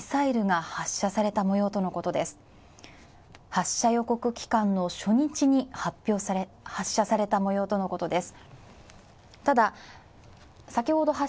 発射予告期間の初日に発射されたもようとのことです。